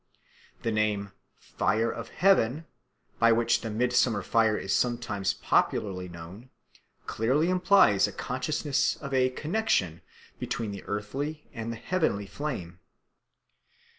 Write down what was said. The name "fire of heaven," by which the midsummer fire is sometimes popularly known, clearly implies a consciousness of a connexion between the earthly and the heavenly flame.